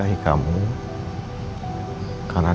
ini bisa jadi karena isni